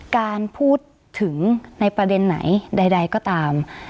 การพูดถึงในประเด็นไหนใดก็ตาม